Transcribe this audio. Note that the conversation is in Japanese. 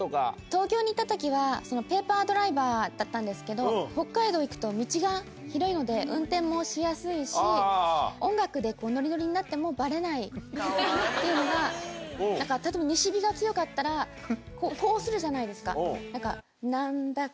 東京にいたときはペーパードライバーだったんですけど、北海道行くと、道が広いので、運転もしやすいし、音楽でのりのりになっても、ばれないっていうのが、例えば西日が強かったら、こうするじゃないですか。